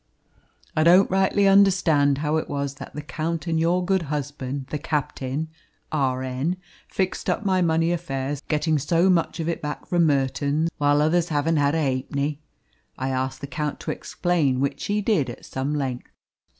I don't rightly understand how it was that the Count and your good husband the captain (R.N.) fixed up my money affairs, getting so much of it back from Merton's while others haven't had a halfpenny. I asked the Count to explain, which he did at some length.